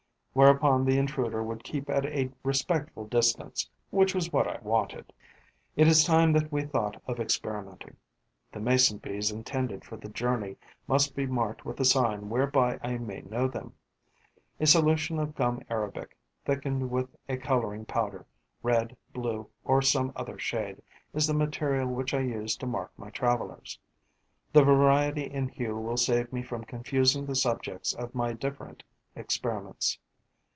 Whereupon the intruder would keep at a respectful distance, which was what I wanted. It is time that we thought of experimenting. The Mason bees intended for the journey must be marked with a sign whereby I may know them. A solution of gum arabic, thickened with a colouring powder, red, blue or some other shade, is the material which I use to mark my travellers. The variety in hue will save me from confusing the subjects of my different experiments.